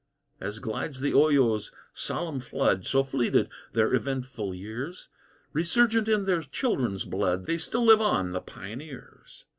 As glides the Oyo's solemn flood, So fleeted their eventful years; Resurgent in their children's blood, They still live on the Pioneers.